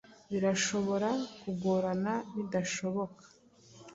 birashobora kugorana bidashoboka,